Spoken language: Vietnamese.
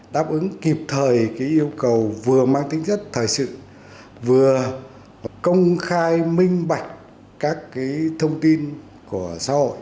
đáp ứng kịp thời yêu cầu vừa mang tính chất thời sự vừa công khai minh bạch các thông tin của xã hội